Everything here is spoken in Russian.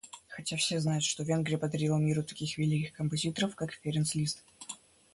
хотя все знают, что Венгрия подарила миру таких великих композиторов как Ференц Лист